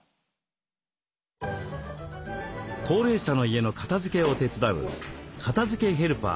高齢者の家の片づけを手伝う「片づけヘルパー」